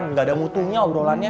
gak ada mutunya obrolannya